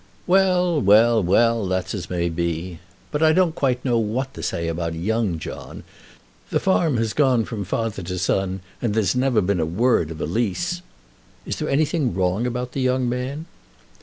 "Well; well; well; that's as may be. But I don't quite know what to say about young John. The farm has gone from father to son, and there's never been a word of a lease." "Is there anything wrong about the young man?"